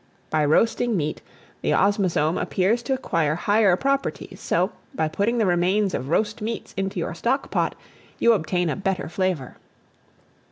By roasting meat, the osmazome appears to acquire higher properties; so, by putting the remains of roast meats into your stock pot, you obtain a better flavour.